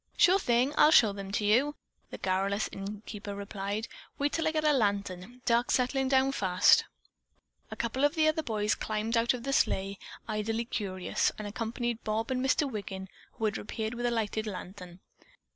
"Sure thing. I'll show them to you," the garrulous innkeeper replied. "Wait till I get a lantern. Dark's settling down fast." A couple of the other boys climbed out of the sleigh, idly curious, and accompanied Bob and Mr. Wiggin, who had reappeared with a lighted lantern.